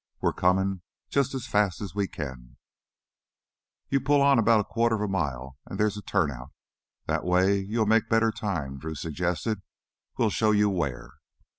"We're comin', jus' as fast as we can " "You pull on about a quarter mile and there's a turnout; that way you'll make better time," Drew suggested. "We'll show you where."